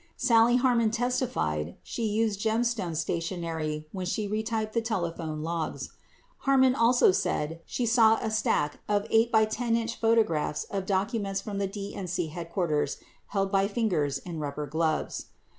38 Sally Harmony testified she used Gemstone stationery when she retyped the telephone logs. 39 Harmony also said she saw a stack of 8" by 10" photographs of docu ments from the DNC headquarters held by fingers in rubber gloves.